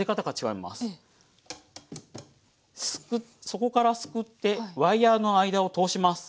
底からすくってワイヤーの間を通します。